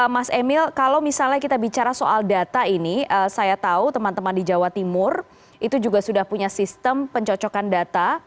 mas emil kalau misalnya kita bicara soal data ini saya tahu teman teman di jawa timur itu juga sudah punya sistem pencocokan data